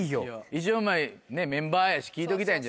一応メンバーやし聞いときたいんじゃない？